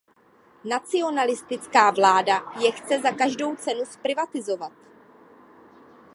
Nacionalistická vláda je chce za každou cenu zprivatizovat.